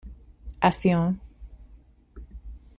Acion